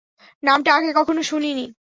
নামটা আগে কখনও শুনিনি!